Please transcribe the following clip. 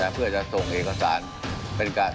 เพื่อจะส่งเอกสารเป็นการ